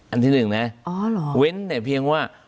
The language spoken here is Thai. อันที่หนึ่งนะเว้นแต่เพียงว่า